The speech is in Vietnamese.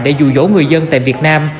để dụ dỗ người dân tại việt nam